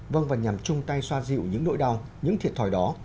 vâng và nhằm chung tay xoa dịu những nỗi đau những thiệt thòi đó